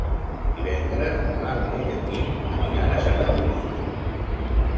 Divendres na Dàlia i en Guim aniran a Sanaüja.